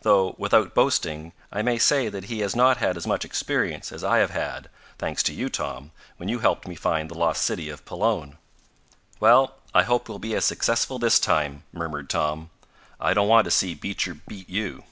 Though, without boasting, I may say that he has not had as much experience as I have had, thanks to you, Tom, when you helped me find the lost city of Pelone." "Well, I hope we'll be as successful this time," murmured Tom. "I don't want to see Beecher beat you."